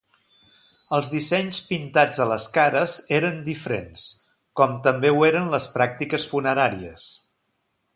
Els dissenys pintats a les cares eren diferents, com també ho eren les pràctiques funeràries.